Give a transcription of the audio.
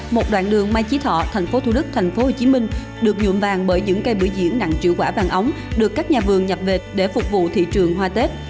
một đoạn đường mai chí thọ tp thủ đức tp hcm được nhuộm vàng bởi những cây bữa diễn nặng triệu quả vàng ống được các nhà vườn nhập về để phục vụ thị trường hoa tết